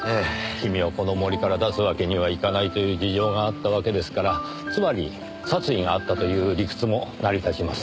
君をこの森から出すわけにはいかないという事情があったわけですからつまり殺意があったという理屈も成り立ちます。